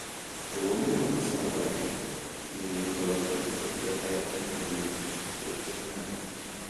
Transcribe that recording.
A woman on the subway, leaning over with her head on her knee taking a nap.